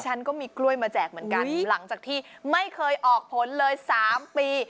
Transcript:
ฉันก็มีกล้วยมาแจกเหมือนกันหลังจากที่ไม่เคยออกผลเลย๓ปี